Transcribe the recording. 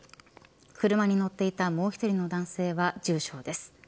車に乗っていたもう１人の男性は重傷です。